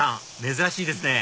珍しいですね